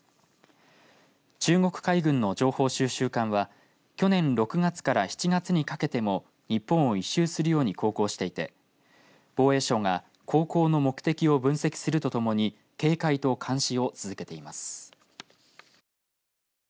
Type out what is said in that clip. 中国海軍の情報収集艦は去年６月から７月にかけても日本を１周するように航行していて防衛省が航行の目的を分析するとともに警戒と監視を続けています。